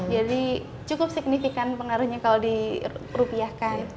jadi cukup signifikan pengaruhnya kalau di rupiahkan